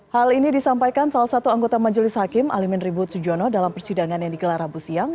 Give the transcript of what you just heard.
hal ini disampaikan salah satu anggota majelis hakim alimin ribut sujono dalam persidangan yang digelar rabu siang